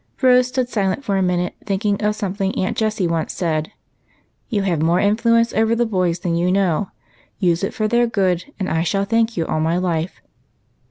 Rose stood silent for a minute, thinking of some thing Aunt Jessie once said, — "You have more in fluence over the boys than you know; use it for their good, and I shall thank you all my life."